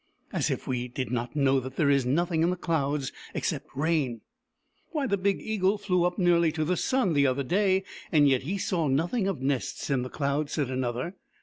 " As if we did not know that there is nothing in the clouds except rain !"" Why, the big Eagle flew up nearly to the sun the other day ; and yet he saw nothing of nests in the clouds," said another.